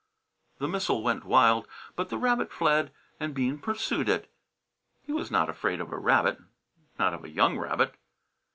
The missile went wild, but the rabbit fled and Bean pursued it. He was not afraid of a rabbit not of a young rabbit.